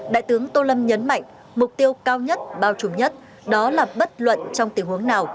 đại tướng tô lâm nhấn mạnh mục tiêu cao nhất bao trùm nhất đó là bất luận trong tình huống nào